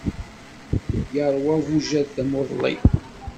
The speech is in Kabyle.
Iṛwa ubujad tamuḍli.